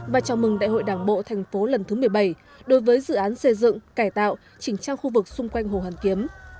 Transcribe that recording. và chào mừng đại hội đảng bộ thành phố lần thứ một mươi bảy đối với dự án xây dựng cải tạo chỉnh trang khu vực xung quanh hồ hoàn kiếm